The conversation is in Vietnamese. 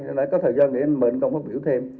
hôm nay có thời gian để anh mời anh công phát biểu thêm